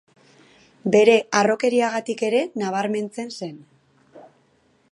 Bere harrokeriagatik ere nabarmentzen zen.